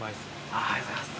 ありがとうございます。